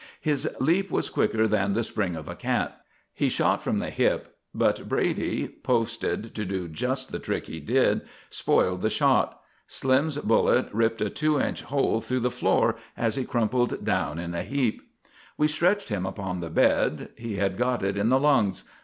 His leap was quicker than the spring of a cat. He shot from the hip, but Brady, posted to do just the trick he did, spoiled the shot. Slim's bullet ripped a two inch hole through the floor as he crumpled down in a heap. We stretched him upon the bed. He had got it in the lungs.